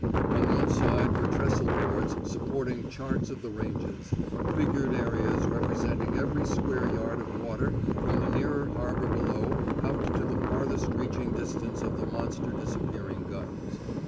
On one side were trestle boards supporting charts of the ranges figured areas representing every square yard of water from the nearer harbor below out to the farthest reaching distance of the monster disappearing guns.